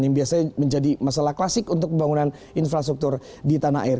yang biasanya menjadi masalah klasik untuk pembangunan infrastruktur di tanah air